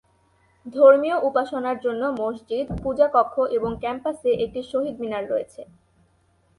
ধর্মীয় উপাসনার জন্য মসজিদ, পূজা কক্ষ এবং ক্যাম্পাসে একটি শহীদ মিনার রয়েছে।